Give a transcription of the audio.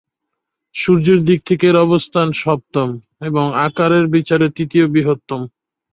সূর্যের দিক থেকে এর অবস্থান সপ্তম এবং আকারের বিচারে তৃতীয় বৃহত্তম।